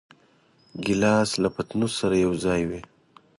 ګیلاس له پتنوس سره یوځای وي.